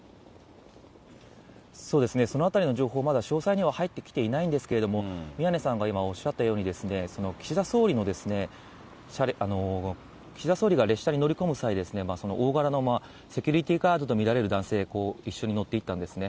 そのあたりの情報はまだ詳細には入ってきていないんですけれども、宮根さんが今おっしゃったように、岸田総理が列車に乗り込む前に大柄のセキュリティーガードと見られる男性、一緒に乗っていったんですね。